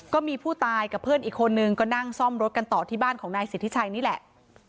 ก็มีผู้ตายกับเพื่อนอีกคนนึงก็นั่งซ่อมรถกันต่อที่บ้านของนายสิทธิชัยนี่แหละ